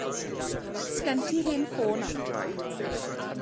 Sgen ti hen ffôn Android?